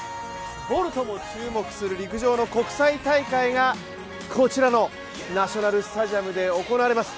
ボルトも注目する陸上の国際大会がこちらのナショナルスタジアムで行われます。